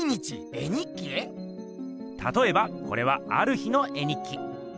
たとえばこれはある日の絵日記。